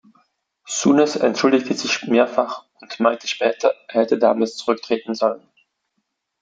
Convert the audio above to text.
Souness entschuldigte sich mehrfach und meinte später, er hätte damals zurücktreten sollen.